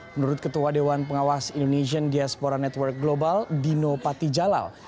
menurut ketua dewan pengawas indonesian diaspora network global dino patijalal